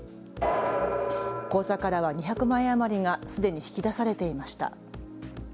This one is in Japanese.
口座からは２００万円余りがすでに引き出されていました。